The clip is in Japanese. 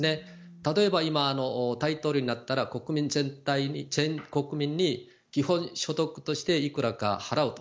例えば、大統領になったら全国民に基本所得としていくらか払うと。